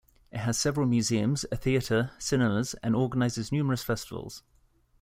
It has several museums, a theater, cinemas, and organizes numerous festivals.